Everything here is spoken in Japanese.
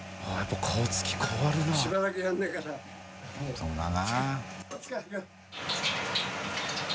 そうだな。